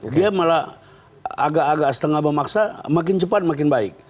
dia malah agak agak setengah memaksa makin cepat makin baik